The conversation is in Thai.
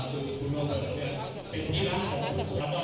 ก็เราจะ